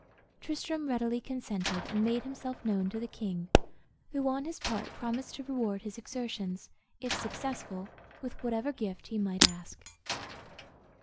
Tristram readily consented, and made himself known to the king, who on his part promised to reward his exertions, if successful, with whatever gift he might ask.